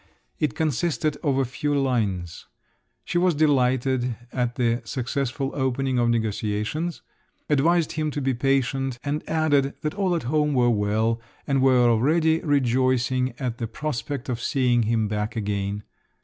It consisted of a few lines. She was delighted at the "successful opening of negotiations," advised him to be patient, and added that all at home were well, and were already rejoicing at the prospect of seeing him back again.